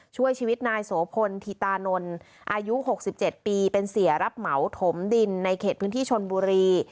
ช่วยชีวิตนายโสพลธิตานนท์อายุ๖๗ปีเป็นเสียรับเหมาถมดินในเขตพื้นที่ชนบุรี